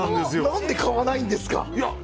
何で買わないんですか？